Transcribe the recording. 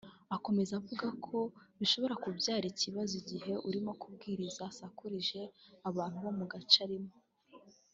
Akomeza avuga ko bishobora kubyara ikibazo igihe urimo kubwiriza asakurije abantu bo mu gace arimo